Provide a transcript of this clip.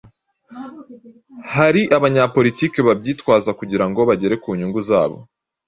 hari abanyapolitiki babyitwaza kugira ngo bagere ku nyungu zabo